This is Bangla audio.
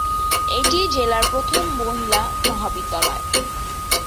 এটিই জেলার প্রথম মহিলা মহাবিদ্যালয়।